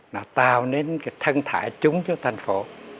nó tạo nên cái thân thải chung cho thành phố